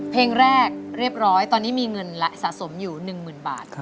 เพลงแรกเรียบร้อยตอนนี้มีเงินสะสมอยู่หนึ่งหมื่นบาท